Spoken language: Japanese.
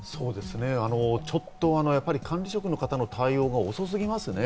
ちょっと管理職の方の対応が遅すぎますね。